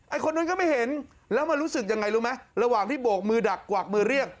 คนนั้นก็ไม่เห็นแล้วมันรู้สึกยังไงรู้ไหมระหว่างที่โบกมือดักกวากมือเรียก